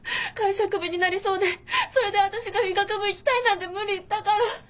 会社クビになりそうでそれで私が医学部行きたいなんて無理言ったから。